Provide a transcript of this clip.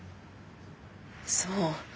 そう。